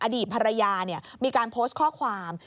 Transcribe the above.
อดีตภรรยามีการโพสต์ข้อความ